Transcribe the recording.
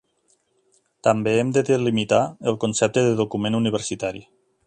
També hem de delimitar el concepte de document universitari.